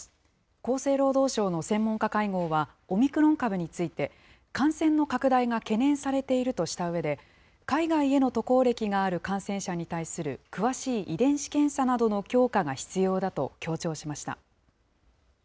厚生労働省の専門家会合は、オミクロン株について、感染の拡大が懸念されているとしたうえで、海外への渡航歴がある感染者に対する詳しい遺伝子検査などの強化が必要だと強調しました。